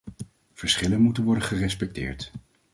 Verschillen moeten worden gerespecteerd.